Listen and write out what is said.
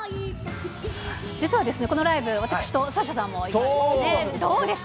実はこのライブ、私とサッシャさんも行ったんですけど、どうでした？